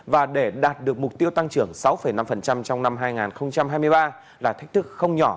và để đạt được mục tiêu tăng trưởng sáu năm trong năm hai nghìn hai mươi ba là thách thức không nhỏ